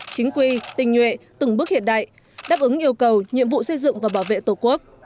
chính quy tình nhuệ từng bước hiện đại đáp ứng yêu cầu nhiệm vụ xây dựng và bảo vệ tổ quốc